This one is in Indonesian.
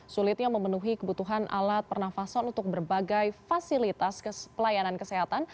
sulitnya memenuhi kebutuhan alat pernafasan untuk berbagai fasilitas pelayanan kesehatan